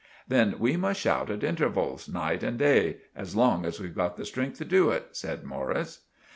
"Then we must shout at intervals, night and day—as long as we've got the strength to do it, said Morris.